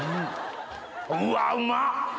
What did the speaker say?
うわうまっ。